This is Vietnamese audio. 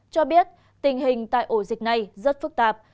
cho biết tình hình tại ổ dịch này rất phức tạp